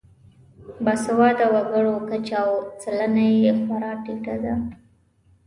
باسواده وګړو کچه او سلنه یې خورا ټیټه ده.